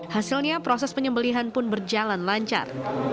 hasilnya proses penyembelihan pun berjalan lancar